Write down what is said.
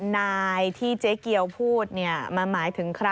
นายที่เจ๊เกียวพูดมาหมายถึงใคร